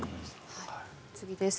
次です。